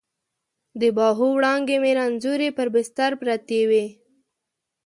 د باهو وړانګې مې رنځورې پر بستر پرتې وي